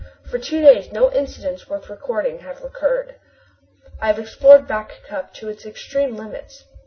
For two days no incident worth recording has occurred. I have explored Back Cup to its extreme limits.